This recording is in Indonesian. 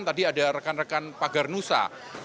tadi ada rekan rekan pagarnusa